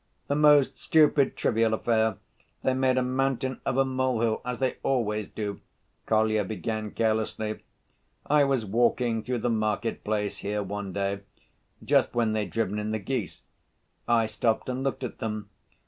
"The most stupid, trivial affair, they made a mountain of a molehill as they always do," Kolya began carelessly. "I was walking through the market‐place here one day, just when they'd driven in the geese. I stopped and looked at them.